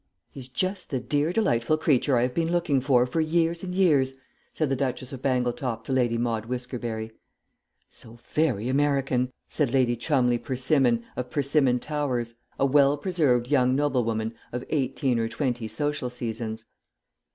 "He's just the dear delightful creature I have been looking for for years and years," said the Duchess of Bangletop to Lady Maude Whiskerberry. "So very American," said Lady Cholmondely Persimmon, of Persimmon Towers a well preserved young noblewoman of eighteen or twenty social seasons.